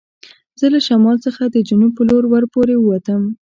زه له شمال څخه د جنوب په لور ور پورې و وتم.